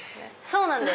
そうなんです。